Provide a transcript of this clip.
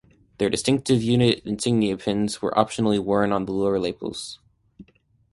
Their Distinctive Unit Insignia pins were optionally worn on the lower lapels.